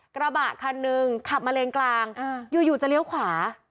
กระบะคันหนึ่งขับมาเลนกลางอยู่จะเลี้ยวขวา